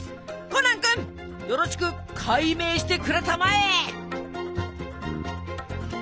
コナン君よろしく解明してくれたまえ！